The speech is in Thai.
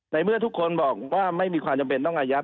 ในเมื่อทุกคนบอกว่าไม่มีความจำเป็นต้องอายัด